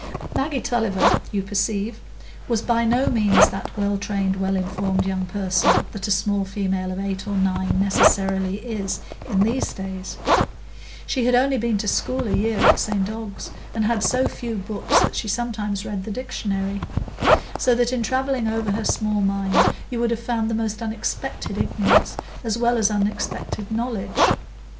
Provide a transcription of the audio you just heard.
Maggie Tulliver, you perceive, was by no means that well trained, well informed young person that a small female of eight or nine necessarily is in these days; she had only been to school a year at St Ogg's, and had so few books that she sometimes read the dictionary; so that in travelling over her small mind you would have found the most unexpected ignorance as well as unexpected knowledge.